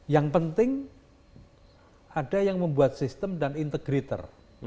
yang penting ada yang membuat sistem dan integrator